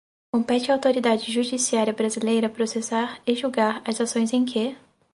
Compete à autoridade judiciária brasileira processar e julgar as ações em que: